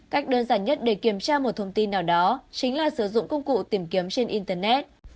cách đơn giản nhất để kiểm tra một thông tin nào đó chính là sử dụng công cụ tìm kiếm trên internet